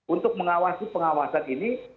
untuk mengawasi pengawasan ini